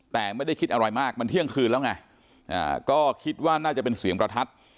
แต่ไม่ได้คิดอะไรมากมันเที่ยงคืนแล้วไงก็คิดว่าน่าจะเป็นเสียงประทัด